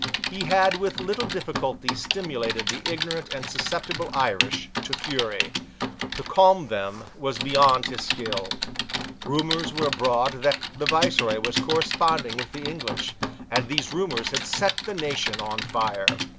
He had with little difficulty stimulated the ignorant and susceptible Irish to fury. To calm them was beyond his skill. Rumours were abroad that the Viceroy was corresponding with the English; and these rumours had set the nation on fire.